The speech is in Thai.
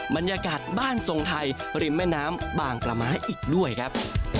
บรรยากาศบ้านทรงไทยริมแม่น้ำบางปลาม้าอีกด้วยครับ